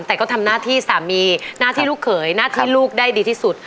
แต่ก็ทำหน้าที่สามีหน้าที่ลูกเขยหน้าที่ลูกได้ดีที่สุด